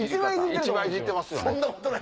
一番イジってますよね？